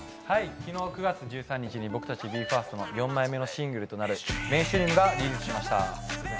昨日９月１３日に僕たちＢＥ：ＦＩＲＳＴの４枚目のシングルとなる「Ｍａｉｎｓｔｒｅａｍ」がリリースしました。